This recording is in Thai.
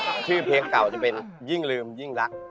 ชื่อเพลงเก่าจะเป็นยิ่งลืมยิ่งรัก